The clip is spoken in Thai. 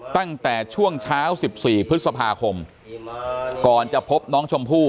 ตั้งแต่ช่วงเช้า๑๔พฤษภาคมก่อนจะพบน้องชมพู่